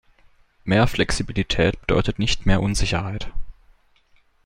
Mehr Flexibilität bedeutet nicht mehr Unsicherheit.